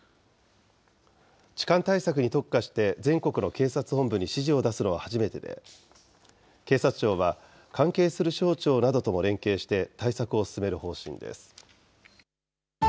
痴漢対策に特化して全国の警察本部に指示を出すのは初めてで、警察庁は関係する省庁などとも連携して対策を進める方針です。